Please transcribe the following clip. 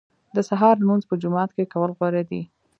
د سهار لمونځ په جومات کې کول غوره دي.